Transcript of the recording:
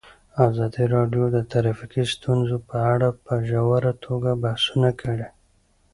ازادي راډیو د ټرافیکي ستونزې په اړه په ژوره توګه بحثونه کړي.